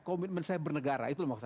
komitmen saya bernegara itu yang mau saya